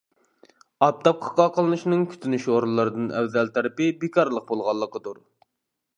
ئاپتاپقا قاقلىنىشنىڭ كۈتۈنۈش ئورۇنلىرىدىن ئەۋزەل تەرىپى بىكارلىق بولغانلىقىدۇر.